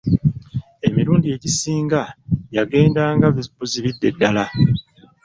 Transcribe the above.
Emirundi egisinga yagendanga buzibidde ddala.